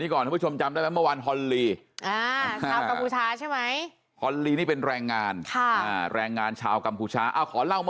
ขอให้นี่เห็นทุกข์ไหม